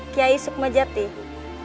hai guru kukai jabat